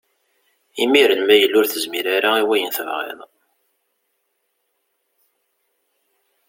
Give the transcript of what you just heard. Imiren ma yella ur tezmir ara i wayen tebɣiḍ.